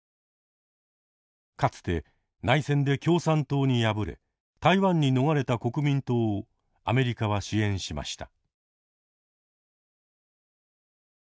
かつて内戦で共産党に敗れ台湾に逃れた国民党をアメリカは支援しました。